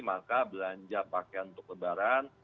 maka belanja pakaian untuk lebaran